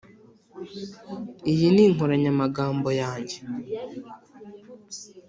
iyi ni inkoranyamagambo yanjye.